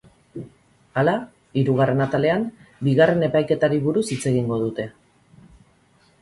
Hala, hirugarren atalean, bigarren epaiketari buruz hitz egingo dute.